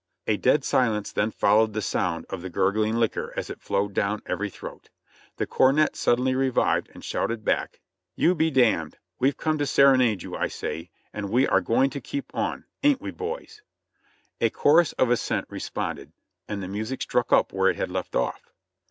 A dead silence then followed the sound of the gurgling liquor as it flowed down every throat. The cornet suddenly revived and shouted back : "You be d — d; we've come to serenade you, I say, and we are going to keep on; ain't we, boys?" A chorus of assent responded, and the music struck up where it had left off.